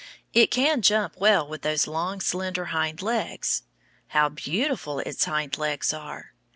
It can jump well with those long, slender hind legs. How beautiful its hind legs are!